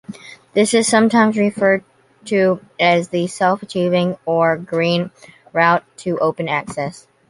This is sometimes referred to as the self-archiving or "green" route to open access.